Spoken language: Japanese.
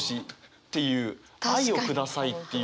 「愛をください」っていう。